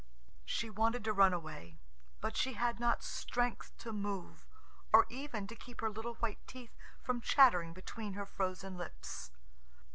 She wanted to run away; but she had not strength to move, or even to keep her little white teeth from chattering between her frozen lips.